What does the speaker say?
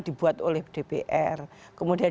dibuat oleh dpr kemudian